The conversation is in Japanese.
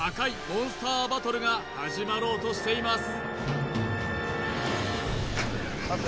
モンスターバトルが始まろうとしています